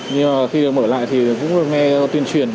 nhưng mà khi mở lại thì cũng được nghe tuyên truyền